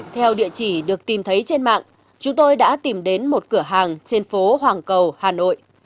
theo địa chỉ được tìm thấy trên mạng chúng tôi đã tìm đến một cửa hàng trên phố hoàng cầu hà nội